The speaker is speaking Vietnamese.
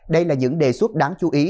đây là những đề xuất đáng chú ý